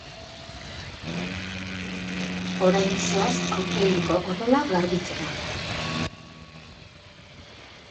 Orain zoaz aurpegiko odola garbitzera.